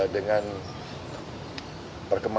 dengan perkembangan perusahaan